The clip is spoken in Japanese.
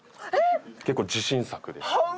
結構自信作です。